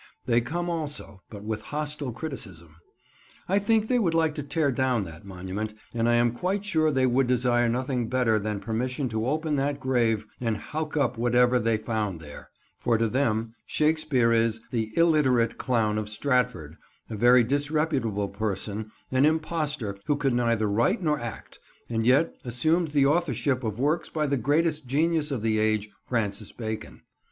They come also, but with hostile criticism. I think they would like to tear down that monument, and I am quite sure they would desire nothing better than permission to open that grave and howk up whatever they found there. For to them Shakespeare is "the illiterate clown of Stratford"; a very disreputable person; an impostor who could neither write nor act, and yet assumed the authorship of works by the greatest genius of the age, Francis Bacon.